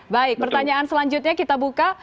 baik pertanyaan selanjutnya kita buka